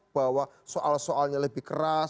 bahwa soal soalnya lebih keras